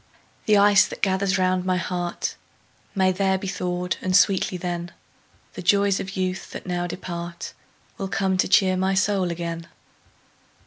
The ice that gathers round my heart May there be thawed; and sweetly, then, The joys of youth, that now depart, Will come to cheer my soul again.